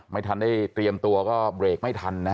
ไม่ทันได้เตรียมตัวก็เบรกไม่ทันนะฮะ